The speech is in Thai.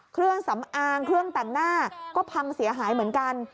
เครื่องสำอางเครื่องแต่งหน้าก็พังเสียหายเหมือนกัน